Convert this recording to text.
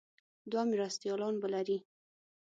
دوه مرستیالان به لري.